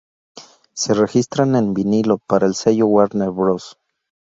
Se registran en vinilo para el sello Warner Bros.